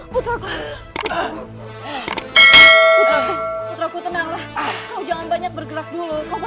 putraku tenanglah jangan banyak bergerak dulu